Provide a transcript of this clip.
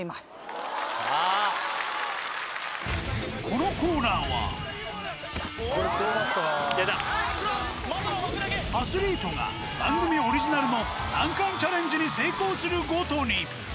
このコーナーはアスリートが番組オリジナルの難関チャレンジに成功するごとに